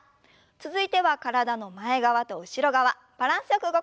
続いては体の前側と後ろ側バランスよく動かしていきましょう。